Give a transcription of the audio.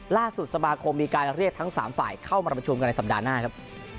ล่าสุดสมาคมมีการเรียกทั้ง๓ฝ่ายเข้ามาประชุมกันในสัปดาห์หน้าครับ